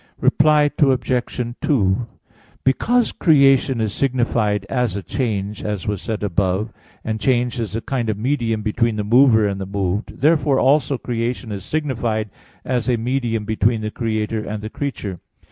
Reply Obj. 2: Because creation is signified as a change, as was said above (A. 2, ad 2), and change is a kind of medium between the mover and the moved, therefore also creation is signified as a medium between the Creator and the creature.